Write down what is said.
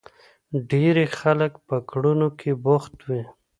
ډېری خلک په کړنو کې بوخت وي.